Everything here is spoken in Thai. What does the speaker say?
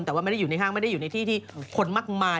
แต่ว่าไม่ได้อยู่ในห้างไม่ได้อยู่ในที่ที่คนมากมาย